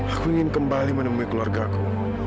aku ingin kembali menemui keluarga ku